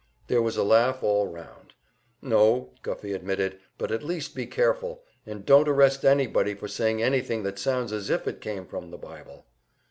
There was a laugh all round. "No," Guffey admitted, "but at least be careful, and don't arrest anybody for saying anything that sounds as if it came from the Bible."